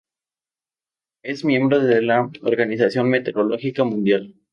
Es miembro de la Organización Meteorológica Mundial.